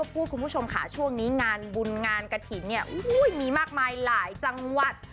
คุณผู้ชมค่ะช่วงนี้งานบุญงานกระถิ่นเนี่ยมีมากมายหลายจังหวัด